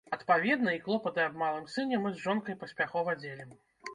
Адпаведна, і клопаты аб малым сыне мы з жонкай паспяхова дзелім.